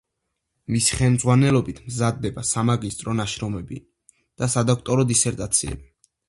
მისი ხელმძღვანელობით მზადდება სამაგისტრო ნაშრომები და სადოქტორო დისერტაციები.